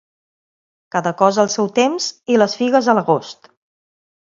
Cada cosa al seu temps, i les figues a l'agost.